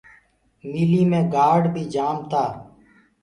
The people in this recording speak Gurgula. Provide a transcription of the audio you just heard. ميٚليٚ مي گآرڊ بي جآم تآ۔